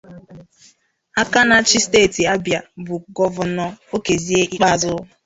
aka na-achị steeti Abịa bụ gọvanọ Okezie Ikpeazu